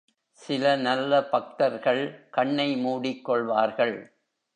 சில நல்ல பக்தர்கள் கண்ணை மூடிக் கொள்வார்கள்.